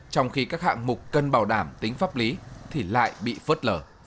trong khi các hạng mục cần bảo đảm tính pháp lý thì lại bị phớt lở